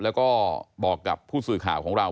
แล้วก็บอกกับผู้สื่อข่าวของเรา